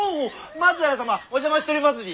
松平様お邪魔しとりますに！